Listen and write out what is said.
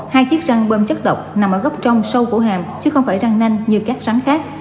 hai chiếc răng bơm chất độc nằm ở gốc trong sâu của hàm chứ không phải răng nanh như các sáng khác